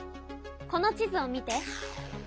この地図を見て。